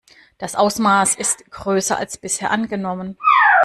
Das Ausmaß ist größer als bisher angenommen.